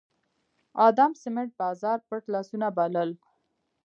ادم سمېت بازار پټ لاسونه بلل